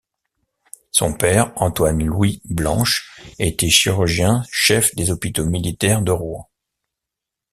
Son père, Antoine Louis Blanche, était chirurgien chef des hôpitaux militaires de Rouen.